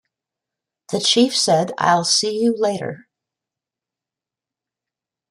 The Chief said, 'I'll see you later.